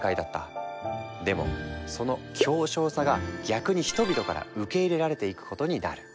でもその狭小さが逆に人々から受け入れられていくことになる。